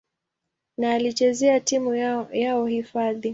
na alichezea timu yao hifadhi.